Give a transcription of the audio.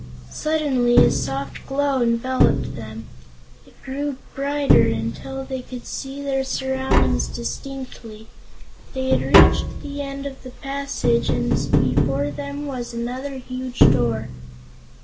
Suddenly a soft glow enveloped them. It grew brighter, until they could see their surroundings distinctly. They had reached the end of the passage and before them was another huge door.